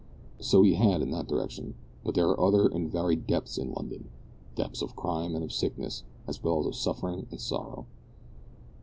So he had in that direction, but there are other and varied depths in London depths of crime and of sickness, as well as of suffering and sorrow!